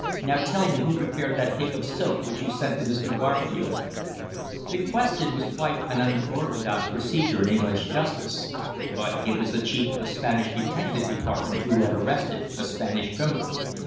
Now tell me who prepared that cake of soap which you sent to Mr. Garfield?" The question was quite an unorthodox procedure in English justice. But it was the Chief of the Spanish Detective Department who had arrested a Spanish criminal.